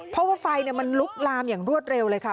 เพราะว่าไฟมันลุกลามอย่างรวดเร็วเลยค่ะ